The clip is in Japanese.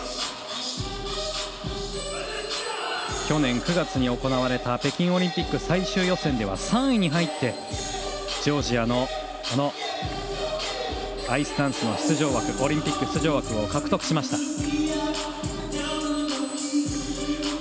去年９月に行われた北京オリンピック最終予選では３位に入ってジョージアのアイスダンスのオリンピック出場枠を獲得しました。